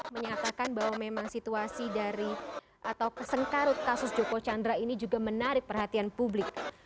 menyatakan bahwa memang situasi dari atau kesengkarut kasus joko chandra ini juga menarik perhatian publik